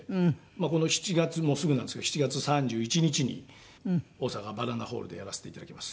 この７月もうすぐなんですけど７月３１日に大阪バナナホールでやらせていただきます。